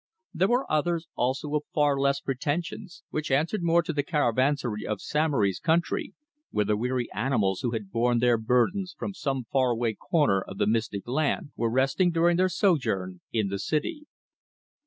There were others also of far less pretensions, which answered more to the caravanseri of Samory's country, where the weary animals who had borne their burdens from some far away corner of the mystic land were resting during their sojourn in the city.